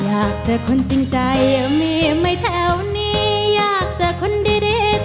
อยากเจอคนจริงใจมีไม่เท่านี้อยากเจอคนดีเท่านี้ไม่มีไม่เอ่อ